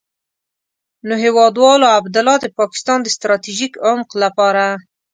نو هېوادوالو، عبدالله د پاکستان د ستراتيژيک عمق لپاره.